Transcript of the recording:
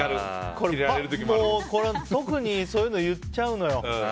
これ、特にそういうの言っちゃうのよ。